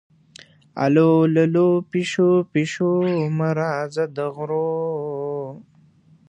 اللو للو، پیشو-پیشو مه راځه د غرو